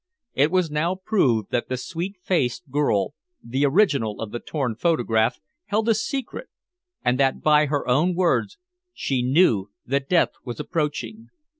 It was now proved that the sweet faced girl, the original of the torn photograph, held a secret, and that, by her own words, she knew that death was approaching.